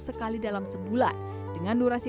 sekali dalam sebulan dengan durasi